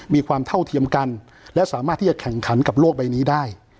มีความเท่าเทียมกันและสามารถที่จะแข่งขันกับโลกใบนี้ได้